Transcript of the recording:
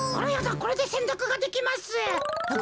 これでせんたくができます。